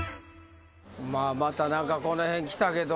まあまた何かこの辺来たけど。